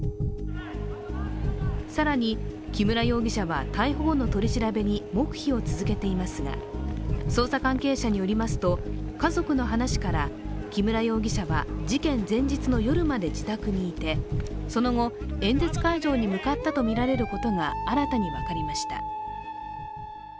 更に、木村容疑者は逮捕後の取り調べに黙秘を続けていますが、捜査関係者によりますと、家族の話から木村容疑者は事件前日の夜まで自宅にいてその後、演説会場に向かったとみらられることが、新たに分かりました。